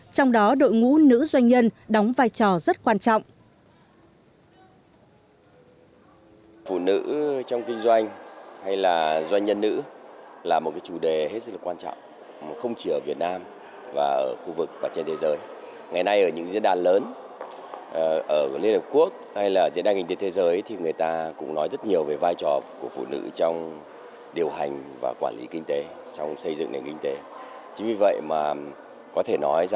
trong đó đội ngũ nữ doanh nhân đóng vai trò rất quan trọng